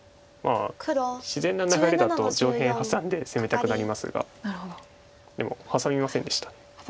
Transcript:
自然な流れだと上辺ハサんで攻めたくなりますがでもハサみませんでした。